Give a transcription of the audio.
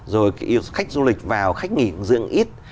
rồi khách du lịch vào khách nghỉ dưỡng ít